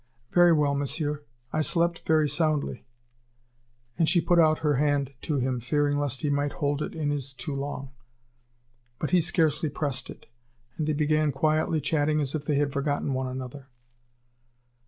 "Very well, Monsieur. I slept very soundly." And she put out her hand to him, fearing lest he might hold it in his too long. But he scarcely pressed it; and they began quietly chatting as if they had forgotten one another.